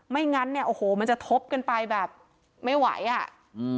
งั้นเนี้ยโอ้โหมันจะทบกันไปแบบไม่ไหวอ่ะอืม